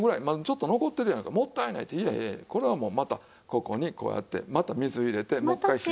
「まだちょっと残ってるやないかもったいない」っていやいやいやこれはもうまたここにこうやってまた水入れてもう一回火。